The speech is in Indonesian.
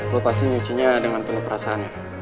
gue pasti nyuci dengan penuh perasaannya